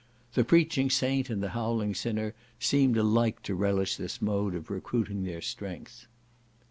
The preaching saint and the howling sinner seemed alike to relish this mode of recruiting their strength.